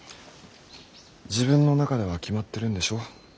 自分の中では決まってるんでしょ。